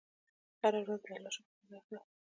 هره ورځ د الله شکر ادا کړه.